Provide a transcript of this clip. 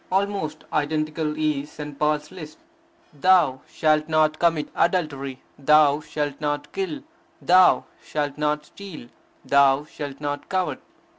Almost identical is St. Paul's list: Thou shalt not commit adultery, thou shalt not kill, thou shalt not steal, thou shalt not covet.